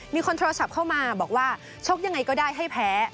มีคนโทรศัพท์เข้ามาบอกว่าชกยังไงก็ได้ให้แพ้